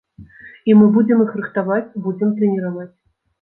І мы будзем іх рыхтаваць, будзем трэніраваць.